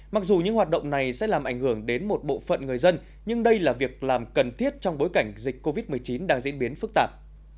mặc dù những hoạt động này sẽ làm ảnh hưởng đến một bộ phận người dân nhưng đây là việc làm cần thiết trong bối cảnh dịch covid một mươi chín đang diễn biến phức tạp